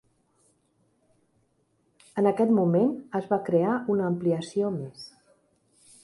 En aquest moment es va crear una ampliació més.